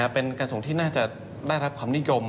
เป็นกระทรวงที่น่าจะได้รับความนิยม